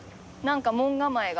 何か門構えが。